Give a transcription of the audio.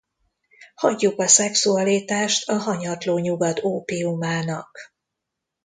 Hagyjuk a szexualitást a hanyatló nyugat ópiumának.